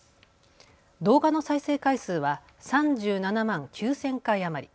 動画の再生回数は３７万９０００回余り。